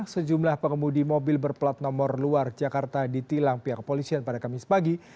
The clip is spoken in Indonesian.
sejumlah pengemudi mobil berplat nomor luar jakarta ditilang pihak polisian pada kamis pagi